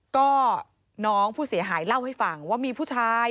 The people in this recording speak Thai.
ก็น้องผู้เสียหายเล่าให้ฟังว่ามีผู้ชาย